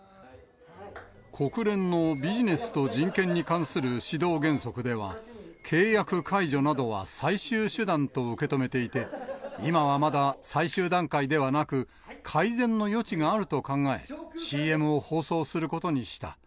国連のビジネスと人権に関する指導原則では、契約解除などは最終手段と受け止めていて、今はまだ最終段階ではなく、改善の余地があると考え、ＣＭを放送することにした。